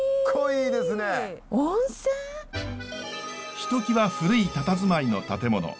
ひときわ古いたたずまいの建物。